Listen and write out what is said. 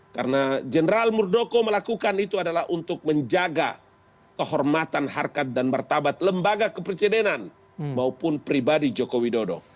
karena general murdoko melakukan itu adalah untuk menjaga kehormatan harkat dan martabat lembaga kepresidenan maupun pribadi jokowi dodo